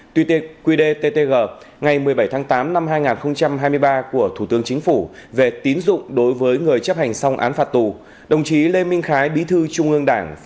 tuy tiết qdttg ngày một mươi bảy tháng tám năm hai nghìn một mươi chín